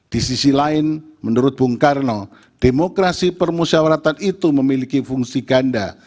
di sisi lain menurut bung karno demokrasi permusyawaratan itu memiliki fungsi ganda